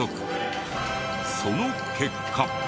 その結果。